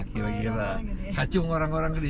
kira kira kacung orang orang gede